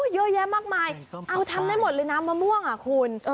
เยอะแยะมากมายเอาทำได้หมดเลยน้ำมะม่วงอ่ะคุณ